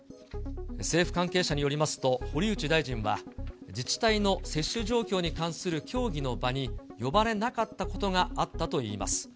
政府関係者によりますと、堀内大臣は自治体の接種状況に関する協議の場に呼ばれなかったことがあったといいます。